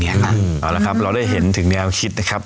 เอาละครับเราได้เห็นถึงแนวคิดนะครับ